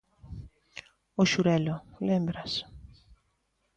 O 'Xurelo', lembras?